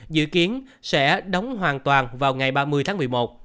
dự kiến sẽ đóng hoàn toàn vào ngày ba mươi tháng một mươi một